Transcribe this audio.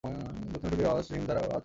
দক্ষিণ অংশটি রস হিম স্তর দ্বারা আচ্ছাদিত।